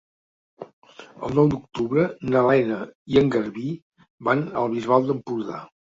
El nou d'octubre na Lena i en Garbí van a la Bisbal d'Empordà.